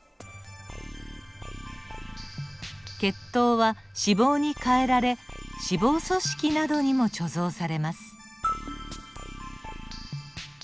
血糖は脂肪に変えられ脂肪組織などにも貯蔵されます。